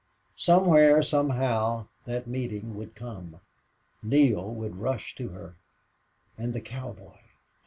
Somewhere, somehow, that meeting would come. Neale would rush to her. And the cowboy! ...